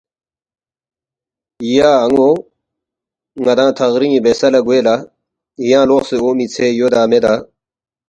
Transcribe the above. ”یا ان٘و ن٘دانگ تھغرِنگ بیسا لہ گوے لہ ینگ لوقسے اونگمی ژھے یودا میدا؟